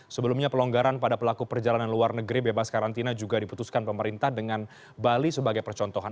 sebelumnya pelonggaran pada pelaku perjalanan luar negeri bebas karantina juga diputuskan pemerintah dengan bali sebagai percontohan